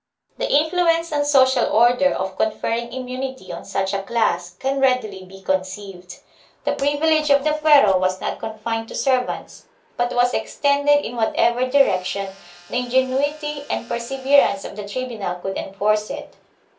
4 The influence on social order of conferring immunity on such a class can readily be conceived. The privilege of the fuero was not confined to servants but was extended in whatever direction the ingenuity and persever ance of the tribunal could enforce it.